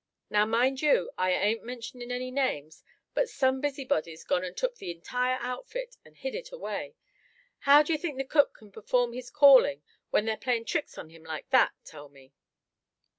Now, mind you, I ain't mentionin' any names, but some busybody's gone and took the entire outfit, and hid it away. How d'ye think the cook c'n perform his calling, when they're playin' tricks on him like that, tell me?"